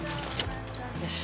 よし！